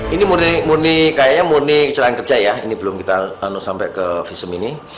ini murni kayaknya murni kecelakaan kerja ya ini belum kita sampai ke visum ini